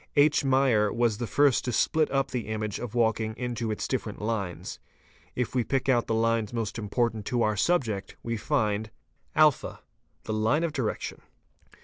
H. Mayer®", was the first to split up the image of walking into its different lines. If we pick out the lines most important to our subject _ we find :— (a) The line of direction.